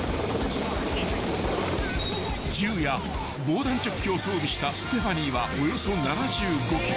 ［銃や防弾チョッキを装備したステファニーはおよそ７５ｋｇ］